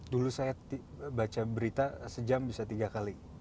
dulu saya baca berita sejam bisa tiga kali